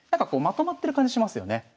まとまってる感じしますよね。